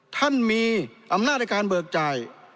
ท่านมีอำนาจในการเบิกจ่าย